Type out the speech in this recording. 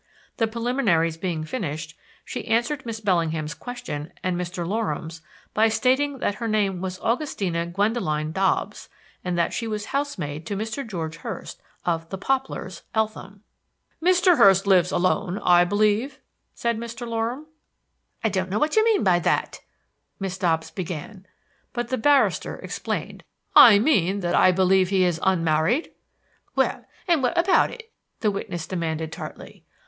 The preliminaries being finished, she answered Miss Bellingham's question and Mr. Loram's by stating that her name was Augustina Gwendoline Dobbs, and that she was housemaid to Mr. George Hurst, of "The Poplars," Eltham. "Mr. Hurst lives alone, I believe?" said Mr. Loram. "I don't know what you mean by that," Miss Dobbs began; but the barrister explained: "I mean that I believe he is unmarried?" "Well, and what about it?" the witness demanded tartly.